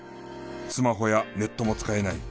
スマホやネットも使えない。